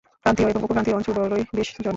ক্রান্তীয় এবং উপক্রান্তীয় অঞ্চলে বরই বেশ জন্মে।